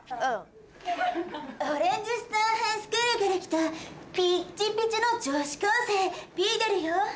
オレンジスターハイスクールから来たピッチピチの女子高生ビーデルよ。